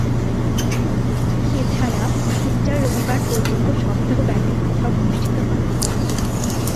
এছাড়া, ইস্টার রবিবার পর্যন্ত সপ্তাহব্যাপী উৎসব অনুষ্ঠিত হয়।